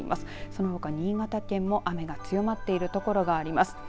そのほか新潟県も雨が強まっている所があります。